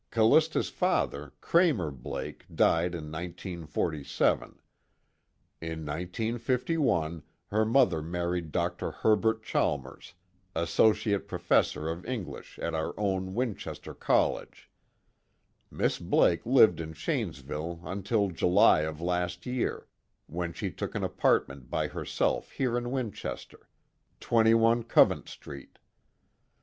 Callista's father, Kramer Blake, died in 1947. In 1951 her mother married Dr. Herbert Chalmers, Associate Professor of English at our own Winchester College. Miss Blake lived in Shanesville until July of last year, when she took an apartment by herself here in Winchester 21 Covent Street.